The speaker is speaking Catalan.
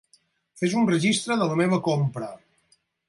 Fes un registre de la meva compra.